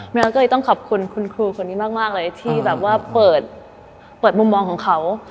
เราก็เลยต้องขอบคุณคุณครูคนนี้มากเลยที่แบบว่าเปิดมุมมองของเขา